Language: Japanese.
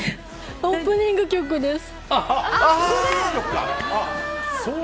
オープニング曲です。